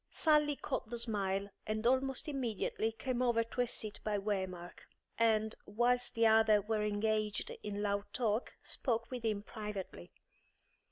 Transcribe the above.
Sally caught the smile, and almost immediately came over to a seat by Waymark; and, whilst the others were engaged in loud talk, spoke with him privately.